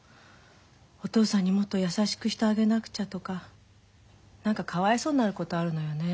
お父さんにもっと優しくしてあげなくちゃとか何かかわいそうになることあるのよね。